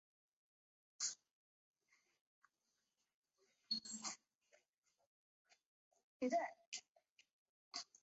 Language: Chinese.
也可能需要补充镁离子。